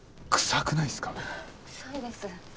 臭いです。